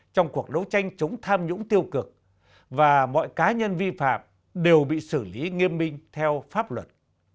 trong cuộc đấu tranh chống tham nhũng tiêu cực và mọi cá nhân vi phạm đều bị xử lý nghiêm minh theo pháp luật